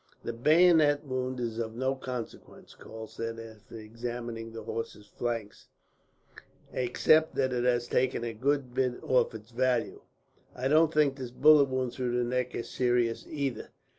"The bayonet wound is of no consequence," Karl said, after examining the horse's flanks; "except that it has taken a good bit off its value. I don't think this bullet wound through the neck is serious, either."